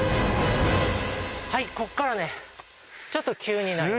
はいここからねちょっと急になります。